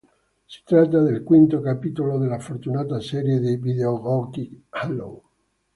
Si tratta del quinto capitolo della fortunata serie di videogiochi "Halo".